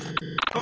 あ！